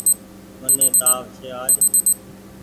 مني تآو ڇي آج۔